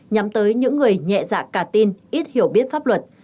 nhắm tới những người nhẹ dạ cả tin ít hiểu biết pháp luật